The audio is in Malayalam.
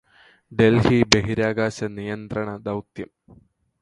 ഡൽഹി ബഹിരാകാശ നിയന്ത്രണ ദൗത്യം